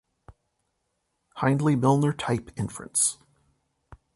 Hindley-Milner type inference